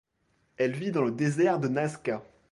Elle vit dans le désert de Nazca.